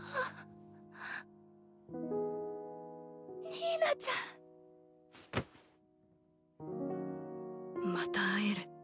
仁菜ちゃん。また会える。